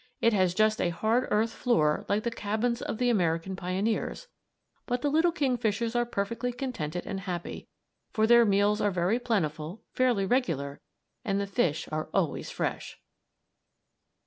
It has just a hard earth floor like the cabins of the American pioneers, but the little kingfishers are perfectly contented and happy; for their meals are very plentiful, fairly regular, and the fish are always fresh.